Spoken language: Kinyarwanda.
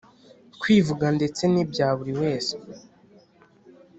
kwivuga ndetse ni bya buri wese